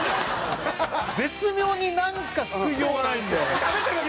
絶妙になんか救いようがないんだよね。